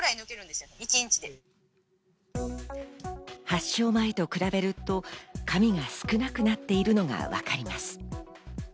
発症前と比べると、髪が少なくなっているのがわかります。